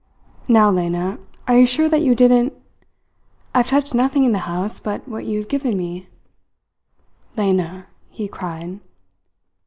Now, Lena, are you sure that you didn't " "I have touched nothing in the house but what you have given me." "Lena!" he cried.